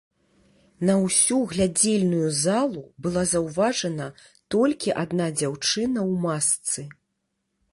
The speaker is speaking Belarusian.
На ўсю глядзельную залу была заўважана толькі адна дзяўчына ў масцы.